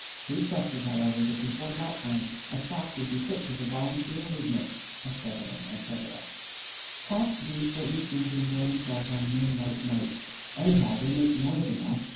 He trusted, however, that before that time a stop would be put to the Volunteer movement," etc., etc. Cats do certainly seem to enjoy themselves on moonlight nights, anyhow they make noise enough.